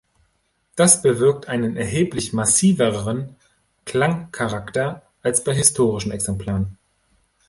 Das bewirkt einen erheblich "massiveren" Klangcharakter als bei historischen Exemplaren.